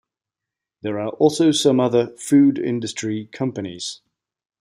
There are also some other food industry companies.